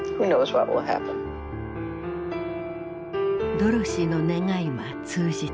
ドロシーの願いは通じた。